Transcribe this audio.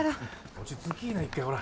落ち着きぃな一回ほら。